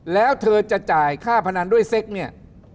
แล้วเธอจะจ่ายค่าพนันด้วยเซ็กเนี่ย